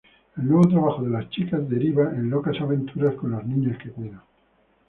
El nuevo trabajo de las chicas deriva locas aventuras con los niños que cuidan.